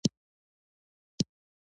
افغانستان د ننګرهار له مخې پېژندل کېږي.